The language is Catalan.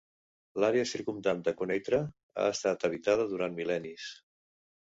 L'àrea circumdant de Quneitra ha estat habitada durant mil·lennis.